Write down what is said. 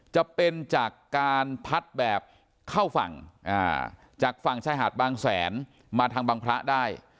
จะเป็นจากการพัดแบบเข้าฝั่งจากฝั่งชายหาดบางแสนมาทางบางพระได้